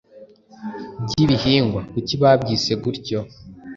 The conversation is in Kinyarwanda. bw’ibihingwa? Kuki babyise gutyo.